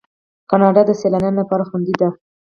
کاناډا د سیلانیانو لپاره خوندي ده.